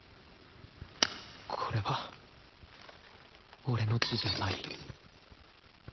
これは俺の字じゃない